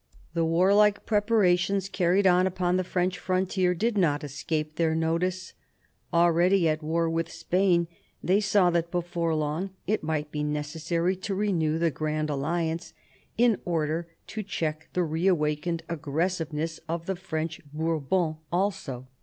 The warlike prepara tions carried on upon the French frontier did not escape their notice. Already at war with Spain, they saw that before long it might be necessary to renew the Grand Alliance in order to check the reawakened aggressive ness of the French Bourbons also.